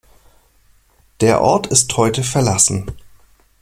Der Ort ist heute verlassen.